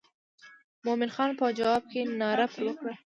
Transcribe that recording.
مومن خان په جواب کې ناره پر وکړه.